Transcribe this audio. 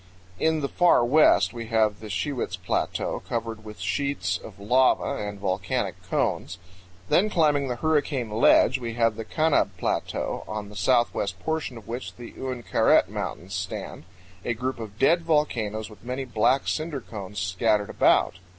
In the far west we have the Shiwits Plateau covered with sheets of lava and volcanic cones; then climbing the Hurricane Ledge we have the Kanab Plateau, on the southwest portion of which the Uinkaret Mountains stand a group of dead volcanoes with many black cinder cones scattered about.